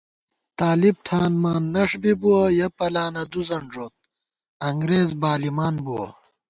طالب ٹھانمان نݭ بِبُوَہ، یَہ پَلانہ دُوزَن ݫوت انگرېز بالِمان بُوَہ